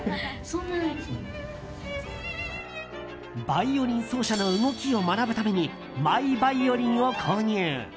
バイオリン奏者の動きを学ぶためにマイバイオリンを購入。